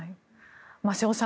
瀬尾さん